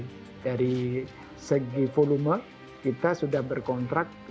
jadi dari segi volume kita sudah berkontrak